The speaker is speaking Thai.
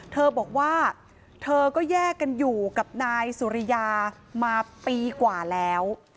เธอบอกว่าเธอก็แยกกันอยู่กับนายสุริยามาปีกว่าแล้ว